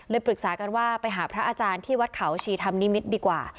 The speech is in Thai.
ปรึกษากันว่าไปหาพระอาจารย์ที่วัดเขาชีธรรมนิมิตรดีกว่า